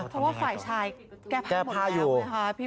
เพราะว่าฝ่ายชายแก้ผ้าอยู่แก้ผ้าอยู่